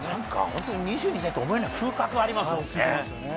本当に２２歳と思えない風格ありますよね。